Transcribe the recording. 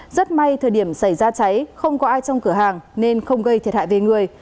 rất may thời điểm xảy ra cháy không có ai trong cửa hàng nên không gây thiệt hại về người